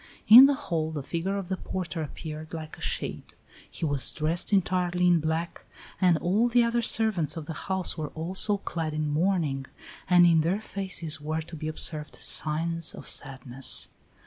In the hall the figure of the porter appeared like a shade; he was dressed entirely in black, and all the other servants of the house were also clad in mourning, and in their faces were to be observed signs of sadness.